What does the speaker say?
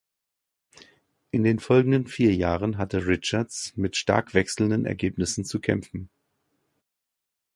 In den folgenden vier Jahren hatte Richards mit stark wechselnden Ergebnissen zu kämpfen.